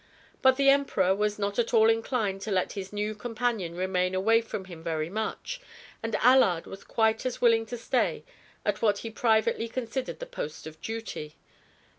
But the Emperor was not at all inclined to let his new companion remain away from him very much, and Allard was quite as willing to stay at what he privately considered the post of duty.